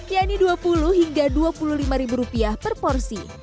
ya ini dua puluh hingga dua puluh lima ribu rupiah per porsi